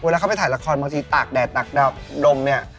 เข้าไปถ่ายละครบางทีตากแดดตากแดดมเนี่ย